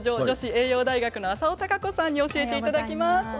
女子栄養大学の浅尾貴子さんに教えて頂きます。